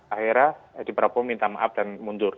akhirnya edi prabowo minta maaf dan mundur